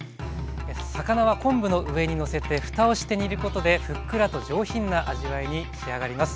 魚は昆布の上にのせてふたをして煮ることでふっくらと上品な味わいに仕上がります。